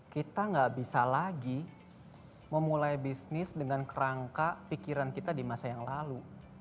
kita nggak bisa lagi memulai bisnis dengan kerangka pikiran kita di masa yang lalu